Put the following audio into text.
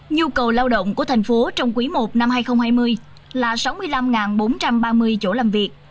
nhu cầu lao động của thành phố trong quý i năm hai nghìn hai mươi là sáu mươi năm bốn trăm ba mươi chỗ làm việc